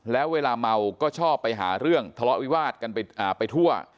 แล้วเวลาเมาก็ชอบไปหาเรื่องทะเลาะวิวาสกันไปทั่ว